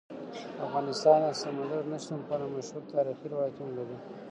افغانستان د سمندر نه شتون په اړه مشهور تاریخی روایتونه لري.